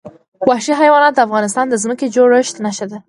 وحشي حیوانات د افغانستان د ځمکې د جوړښت نښه ده.